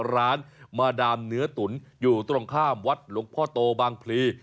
ร้านมาดามเนื้อตุ๋นอยู่ตรงข้ามวัดหลวงพ่อโตบางพลี